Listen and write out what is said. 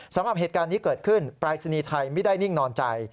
สำหรับเหตุการณ์นี้เกิดขึ้นปรายศนีย์ไทยไม่ได้นิ่งนอนใจ